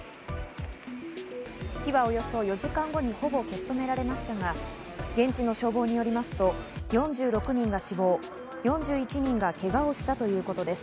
火はおよそ４時間後にほぼ消し止められましたが、現地の消防によりますと、４６人が死亡、４１人がけがをしたということです。